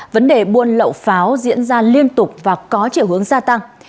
vấn đề buôn lậu pháo diễn ra liên tục và có chiều hướng gia tăng